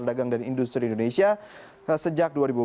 dan industri indonesia sejak dua ribu empat